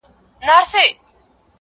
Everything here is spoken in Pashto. د تصویر پښتو ته ولوېدم په خیال کي-